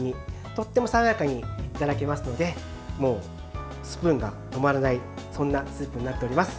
とても爽やかにいただけますのでスプーンが止まらないそんなスープになっております。